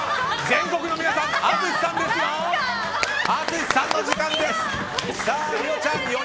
全国の皆さん淳さんですよ！